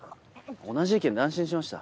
同じ意見で安心しました。